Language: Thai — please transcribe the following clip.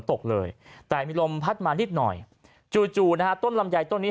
ตกเลยแต่มีลมพัดมานิดหน่อยจู่จู่นะฮะต้นลำไยต้นนี้